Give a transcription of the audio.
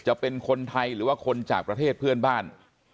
จะเป็นคนไทยหรือว่าคนจากประเทศเพื่อนบ้าน